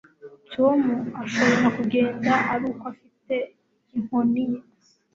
Tom ashobora kugenda ari uko afite inkoni ye